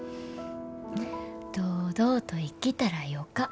堂々と生きたらよか。